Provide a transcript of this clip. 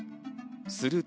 すると。